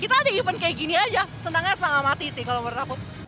kita ada event kayak gini aja senangnya setengah mati sih kalau menurut aku